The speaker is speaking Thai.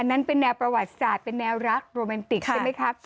นั้นเป็นแนวประวัติศาสตร์เป็นแนวรักโรแมนติกใช่ไหมครับ